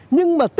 nhưng mà tết thì